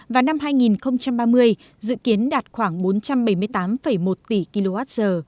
và năm hai nghìn ba mươi dự kiến đạt khoảng bốn trăm bảy mươi tám một tỷ kwh